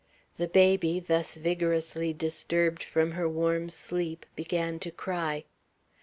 The baby, thus vigorously disturbed from her warm sleep, began to cry.